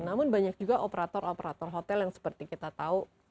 namun banyak juga operator operator hotel yang seperti kita tahu